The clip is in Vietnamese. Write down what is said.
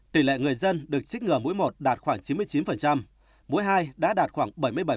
tỷ lệ người dân được trích ngừa mũi một đạt khoảng chín mươi chín mũi hai đã đạt khoảng bảy mươi bảy